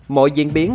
mọi diễn biến